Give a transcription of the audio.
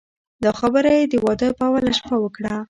دا خبره یې د واده په اوله شپه وکړه.